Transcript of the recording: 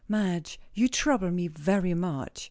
"Madge you trouble me very much."